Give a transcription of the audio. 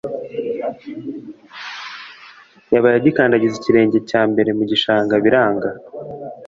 yabaye agikandagiza ikirenge cya mbere mu gishanga biranga